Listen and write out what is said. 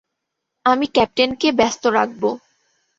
আমি ক্যাপ্টেনকে ব্যস্ত রাখব।